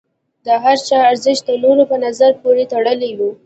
د هر چا ارزښت د نورو په نظر پورې تړلی و.